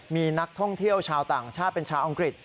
มีนักท่องเที่ยวชาวต่างชาติเป็นชาวอังกฤษ